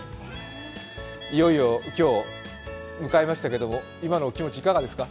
いよいよ今日を迎えましたけれども、今のお気持ちいかがですか。